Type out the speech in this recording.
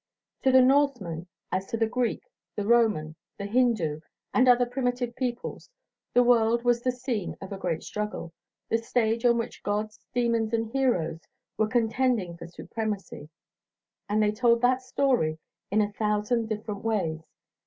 To the Norseman, as to the Greek, the Roman, the Hindu and other primitive peoples, the world was the scene of a great struggle, the stage on which gods, demons, and heroes were contending for supremacy; and they told that story in a thousand different ways.